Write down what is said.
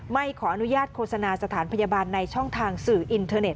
ไม่ขออนุญาตโฆษณาสถานพยาบาลในช่องทางสื่ออินเทอร์เน็